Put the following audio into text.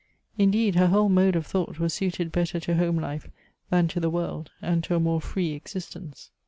Indeed, her whole mode of thought was suited better to home life th.an to the world, and to a more free existence.